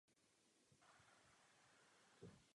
Hnízdí na zemi v hustém porostu.